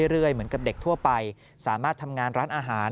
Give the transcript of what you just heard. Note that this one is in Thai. เหมือนกับเด็กทั่วไปสามารถทำงานร้านอาหาร